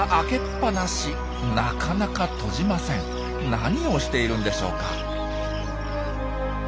何をしているんでしょうか？